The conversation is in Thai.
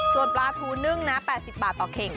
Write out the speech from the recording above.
ส่วนปลาทูนึ่งนะ๘๐บาทต่อกิโลกรัม